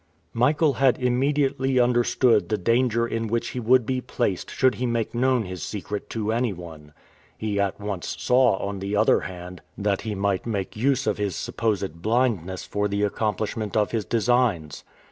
Michael had immediately understood the danger in which he would be placed should he make known his secret to anyone. He at once saw, on the other hand, that he might make use of his supposed blindness for the accomplishment of his designs.